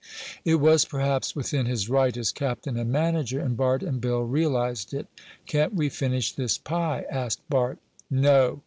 It was, perhaps, within his right as captain and manager, and Bart and Bill realized it. "Can't we finish this pie?" asked Bart. "No!